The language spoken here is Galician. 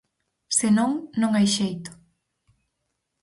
Se non, non hai xeito.